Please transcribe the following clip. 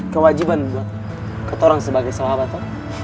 kewajiban buat ketorong sebagai sahabat toh